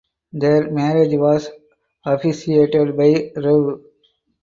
Their marriage was officiated by Rev.